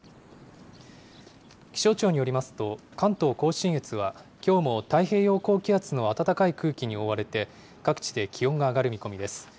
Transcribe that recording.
気象庁によりますと、関東甲信越はきょうも太平洋高気圧の暖かい空気に覆われて、各地で気温が上がる見込みです。